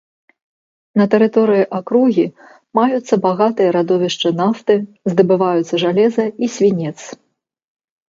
На тэрыторыі акругі маюцца багатыя радовішчы нафты, здабываюцца жалеза і свінец.